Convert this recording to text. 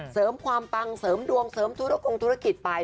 เสริมความปังเสริมดวงเสริมธุรกงธุรกิจไป